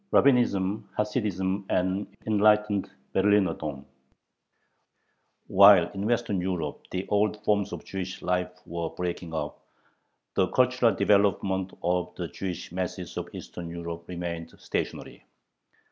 RABBINISM, HASIDISM, AND ENLIGHTENED "BERLINERDOM" While in Western Europe the old forms of Jewish life were breaking up, the cultural development of the Jewish masses of Eastern Europe remained stationary.